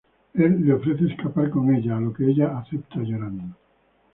Él le ofrece escapar con ella, a lo que ella acepta llorando.